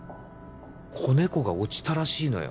子猫が落ちたらしいのよ